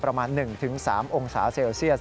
ประมาณ๑๓องศาเซลเซียส